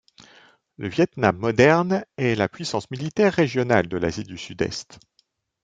Le Viêt Nam moderne est la puissance militaire régionale de l'Asie du Sud-Est.